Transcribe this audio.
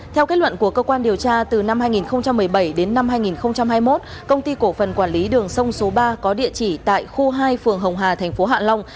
theo kết luận của cơ quan điều tra từ năm hai nghìn một mươi bảy đến năm hai nghìn hai mươi một công ty cổ phần quản lý đường sông số ba có địa chỉ tại khu hai phường hồng hà thành phố hạ long